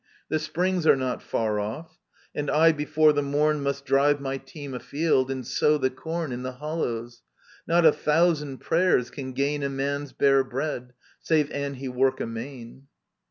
The springs Are not &r off. And I before the morn Must drive my team afield, and sow the corn In the hollows. — Not a thousand prayers can gain A man's bare bread, save an he work amain.